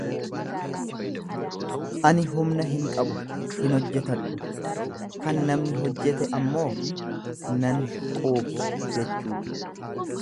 Ani humna hin qabu hin hojjetadhu, kan namni hojjete ammoo nan quubsu jechuudha.